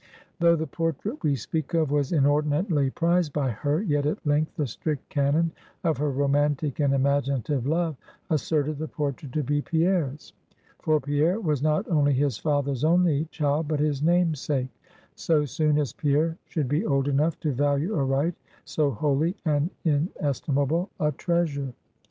Though the portrait we speak of was inordinately prized by her, yet at length the strict canon of her romantic and imaginative love asserted the portrait to be Pierre's for Pierre was not only his father's only child, but his namesake so soon as Pierre should be old enough to value aright so holy and inestimable a treasure.